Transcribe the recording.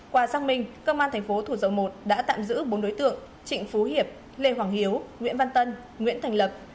qua xác minh công an thành phố thủ dầu một đã tạm giữ bốn đối tượng trịnh phú hiệp lê hoàng hiếu nguyễn văn tân nguyễn thành lập